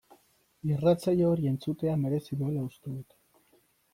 Irratsaio hori entzutea merezi duela uste dut.